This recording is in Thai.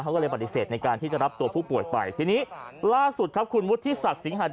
เขาก็เลยปฏิเสธในการที่จะรับตัวผู้ป่วยไปทีนี้ล่าสุดครับคุณวุฒิศักดิ์หัน